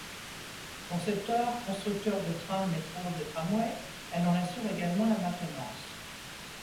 Concepteur, constructeur de trains, métros et tramways, elle en assure également la maintenance.